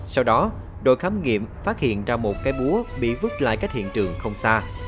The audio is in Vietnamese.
sau đó đội khám nghiệm phát hiện ra một cây búa bị vứt lại cách hiện trường không xa